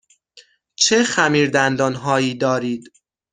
چه خمیردندان هایی دارید؟